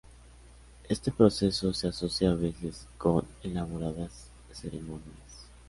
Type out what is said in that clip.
Este proceso se asocia a veces con elaboradas ceremonias.